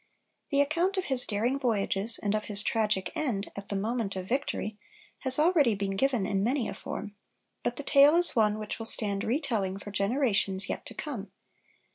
The account of his daring voyages and of his tragic end, at the moment of victory, has already been given in many a form; but the tale is one which will stand re telling for generations yet to come.